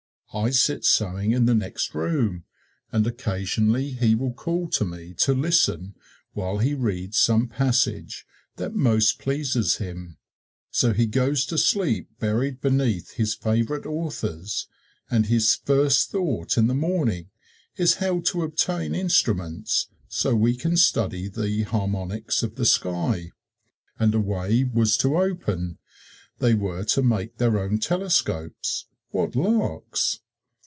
I sit sewing in the next room, and occasionally he will call to me to listen while he reads some passage that most pleases him. So he goes to sleep buried beneath his favorite authors, and his first thought in the morning is how to obtain instruments so we can study the harmonics of the sky." And a way was to open: they were to make their own telescopes what larks!